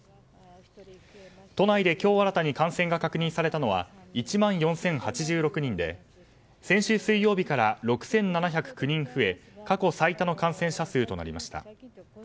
都内で今日新たに感染が確認されたのは１万４０８６人で先週水曜日から６７０９人増え過去最多の感染者数となりました。